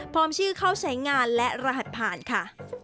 ชื่อเข้าใช้งานและรหัสผ่านค่ะ